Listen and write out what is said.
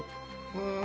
うん。